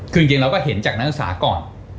คือจริงเราก็เห็นจากนักศึกษาก่อน